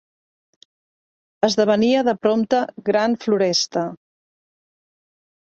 Esdevenia de prompte gran floresta